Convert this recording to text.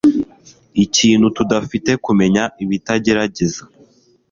Ikintu tudafite kumenya ibitagerageza